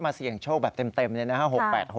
มาเสี่ยงโชคแบบเต็มนี่นะครับ